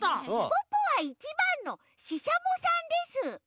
ポッポは１ばんのししゃもさんです。